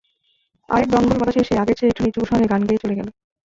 আরেক দঙ্গল বাতাস আগের চেয়ে একটু নিচু স্বরে গান গেয়ে চলে গেল।